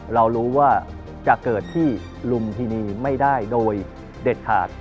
เรารู้ว่าจะเกิดที่ลุมพินีไม่ได้โดยเด็ดขาด